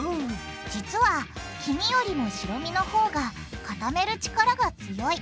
実は黄身よりも白身のほうが固める力が強い。